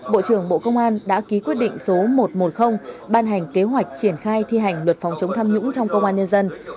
bộ trưởng bộ công an đã ký quyết định số một trăm một mươi ban hành kế hoạch triển khai thi hành luật phòng chống tham nhũng trong công an nhân dân